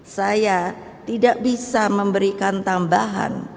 saya tidak bisa memberikan tambahan